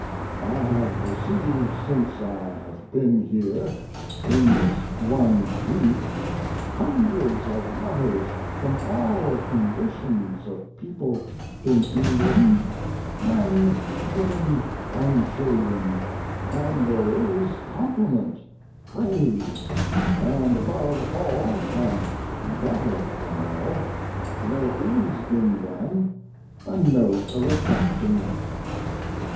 I have received since I have been here, in this one week, hundreds of letters from all conditions of people in England, men, women, and children, and there is compliment, praise, and, above all, and better than all, there is in them a note of affection.